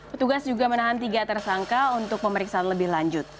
petugas juga menahan tiga tersangka untuk pemeriksaan lebih lanjut